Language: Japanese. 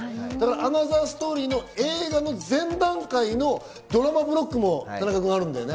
アナザーストーリーの映画の前段階のドラマブロックもあるんだよね？